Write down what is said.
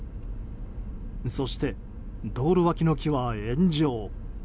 そして、道路脇の木は炎上。